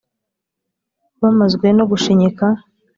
bamazwe no gushinyika